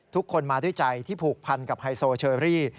ทุกคนมาด้วยใจที่ผูกพันกับไฮโซเชอรี่